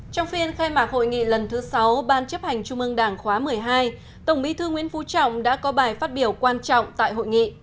trong phiên khai mạc hội nghị lần thứ sáu ban chấp hành trung ương đảng khóa một mươi hai tổng bí thư nguyễn phú trọng đã có bài phát biểu quan trọng tại hội nghị